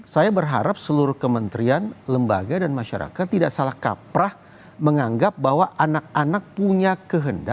saya berharap seluruh kementerian lembaga dan masyarakat tidak salah kaprah menganggap bahwa anak anak punya kehendak